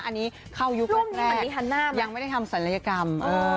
อันนี้เข้ายุคก่อนยังไม่ได้ทำศัลยกรรม